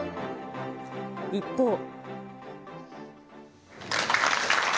一方。